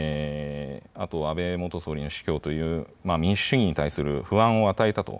あとは安倍元総理の死去という民主主義に対する不安を与えたと。